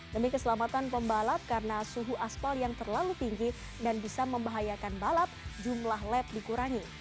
demi keselamatan pembalap karena suhu aspal yang terlalu tinggi dan bisa membahayakan balap jumlah lab dikurangi